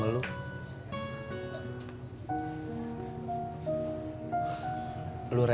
tapi lebih dari saudara